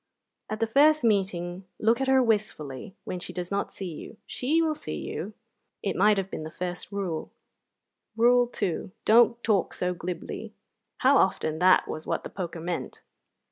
"At the first meeting look at her wistfully when she does not see you. She will see you." It might have been Rule One. Rule Two: "Don't talk so glibly." How often that was what the poker meant!